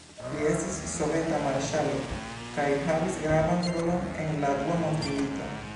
Li estis soveta marŝalo kaj havis gravan rolon en la dua mondmilito.